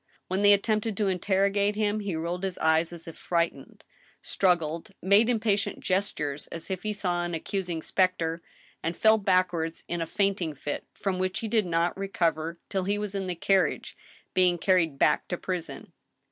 When they attempted to interrogate him, he rolled his eyes as if frightened, struggled, made impatient gestures as if he saw an accusing specter, and fell backward in a fainting fit, from which he did not recover till he was in the carriage being carried •back to prison.